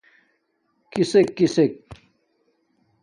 کِسݵک کِسݵک؟